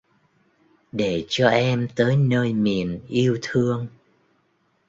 Để cho em tới nơi miền yêu thương